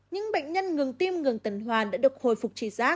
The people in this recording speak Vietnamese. những bệnh nhân ngừng tim ngừng tuần hoàn đã được hồi phục trị giác